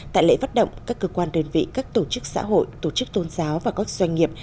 tại lễ phát động các cơ quan đơn vị các tổ chức xã hội tổ chức tôn giáo và các doanh nghiệp